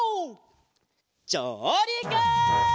じょうりく！